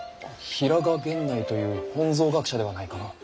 平賀源内という本草学者ではないかの。